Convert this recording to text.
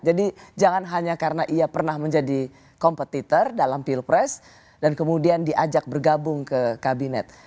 jadi jangan hanya karena ia pernah menjadi kompetitor dalam pilpres dan kemudian diajak bergabung ke kabinet